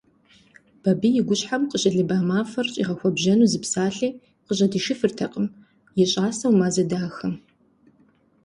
Бабий и гущхьэм къыщылыба мафӀэр щӀигъэхуэбжьэну зы псалъи къыжьэдишыфыртэкъым и щӀасэу Мазэ дахэм.